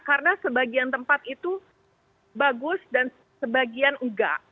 karena sebagian tempat itu bagus dan sebagian enggak